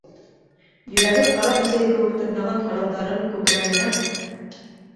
Йөрәген ҡара бесәй кеүек тырнаған һорауҙарын күкрәгенә